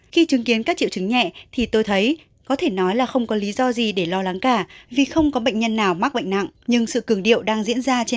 khi chứng kiến các triệu chứng nhẹ thì tôi thấy có thể nói là không có lý do gì để lo lắng cả vì không có bệnh nhân nào mắc bệnh nặng